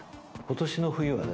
今年の冬は。